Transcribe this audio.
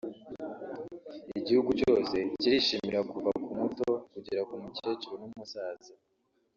Igihugu cyose kirishima kuva ku muto kugera ku mukecuru n’umusaza